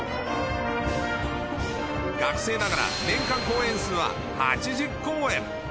学生ながら年間公演数は８０公演。